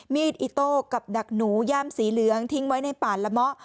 มีดอิโต้กับดักหนูย่ามสีเหลืองทิ้งไว้ในป่าละเมาะ